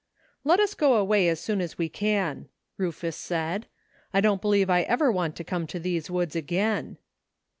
"Let us go away as soon as we can," Rufus said. "I don't believe I ever want to come to these woods again."